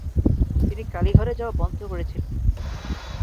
তিনি কালীঘরে যাওয়া বন্ধ করেছিলেন।